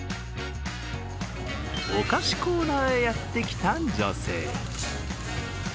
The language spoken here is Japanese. お菓子コーナーへやってきた女性。